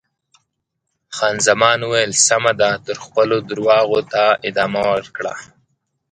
خان زمان وویل: سمه ده، ته خپلو درواغو ته ادامه ورکړه.